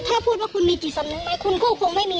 ถ้าพูดว่าคุณมีจิตสำนึกไหมคุณก็คงไม่มี